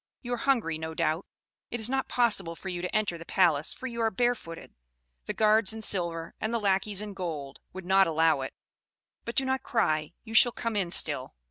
You are hungry, no doubt. It is not possible for you to enter the palace, for you are barefooted: the guards in silver, and the lackeys in gold, would not allow it; but do not cry, you shall come in still.